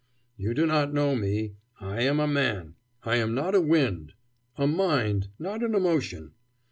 You do not know me I am a man, I am not a wind; a mind, not an emotion.